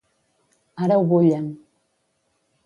Ara ho bullen.